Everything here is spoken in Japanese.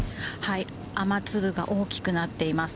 雨粒が大きくなっています。